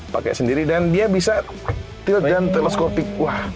pakai sendiri dan dia bisa tidur dan teleskopik